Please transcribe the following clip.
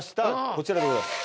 こちらでございます